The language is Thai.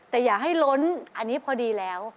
แต่อย่าให้ล้นอันนี้พอดีแล้ว